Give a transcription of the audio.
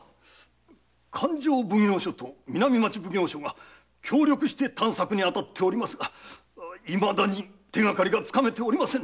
勘定奉行所と南町奉行所が協力し探索に当たっておりますが未だに手がかりが掴めておりませぬ。